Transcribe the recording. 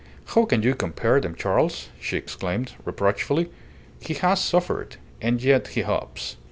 "How can you compare them, Charles?" she exclaimed, reproachfully. "He has suffered and yet he hopes."